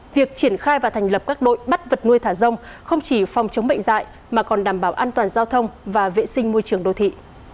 việc triển khai và thành lập các đội bắt vật nuôi thả rông không chỉ phòng chống bệnh dạy mà còn đảm bảo an toàn giao thông và vệ sinh môi trường đô thị